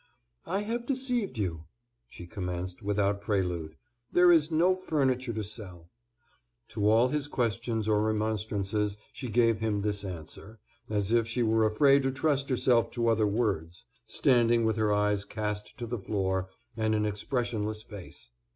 "I have deceived you," she commenced, without prelude, "there is no furniture to sell." To all his questions or remonstrances she gave him this answer, as if she were afraid to trust herself to other words, standing with her eyes cast to the floor, and an expressionless face.